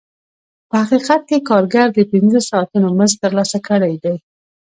په حقیقت کې کارګر د پنځه ساعتونو مزد ترلاسه کړی دی